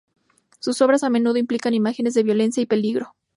Sus obras a menudo implican imágenes de violencia y peligro.